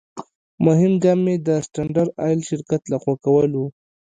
مهم ګام یې د سټنډرد آیل شرکت لغوه کول و.